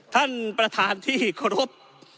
ท่านประธานที่กรับ